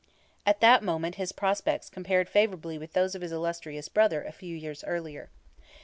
At that moment his prospects compared favourably with those of his illustrious brother a few years earlier.